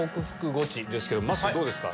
ゴチですまっすーどうですか？